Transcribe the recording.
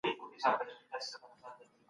عملي ټولنپوهنه باید د ژوند ستونزې حل کړي.